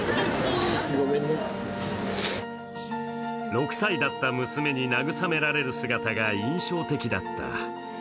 ６歳だった娘に慰められる姿が印象的だった。